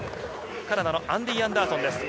カナダのアンディー・アンダーソン。